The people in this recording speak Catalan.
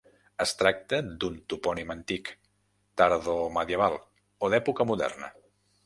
Es tracta d'un topònim antic, tardomedieval o d'època moderna.